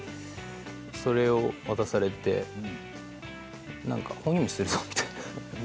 それを渡されてなんか、本読みするぞ、みたいな。